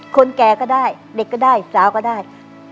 แก่ก็ได้เด็กก็ได้สาวก็ได้